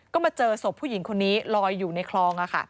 ก็มาเจอศพผู้หญิงคนนี้ลอยอยู่ในคลอง